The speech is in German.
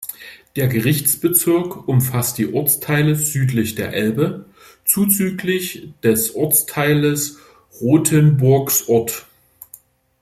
Der Gerichtsbezirk umfasst die Ortsteile südlich der Elbe zuzüglich des Ortsteiles Rothenburgsort.